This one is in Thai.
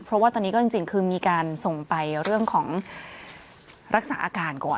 เพราะว่าตอนนี้ก็จริงคือมีการส่งไปเรื่องของรักษาอาการก่อน